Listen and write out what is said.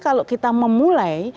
kalau kita memulai